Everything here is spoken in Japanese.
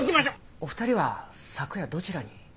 お二人は昨夜どちらに？